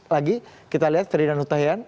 lagi kita lihat ferdinand hutahian